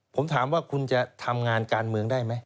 ผมถามว่าคุณจะทำงานการเมืองได้ไหม